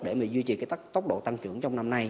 để mà duy trì cái tốc độ tăng trưởng trong năm nay